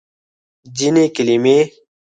ځینې کلمې